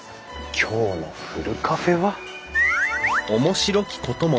今日のふるカフェは。